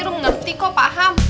lu ngerti kok paham